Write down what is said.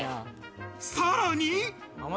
さらに。